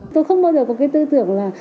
tôi không bao giờ có cái tư tưởng là